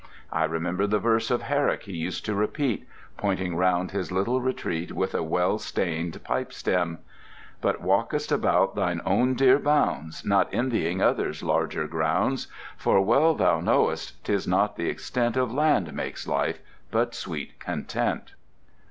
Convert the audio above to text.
I remember the verse of Herrick he used to repeat, pointing round his little retreat with a well stained pipestem: But walk'st about thine own dear bounds, Not envying others' larger grounds: For well thou know'st, 'tis not th' extent Of land makes life, but sweet content.